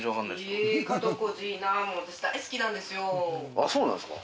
あっそうなんですか。